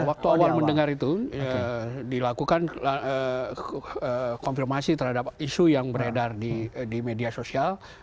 waktu awal mendengar itu dilakukan konfirmasi terhadap isu yang beredar di media sosial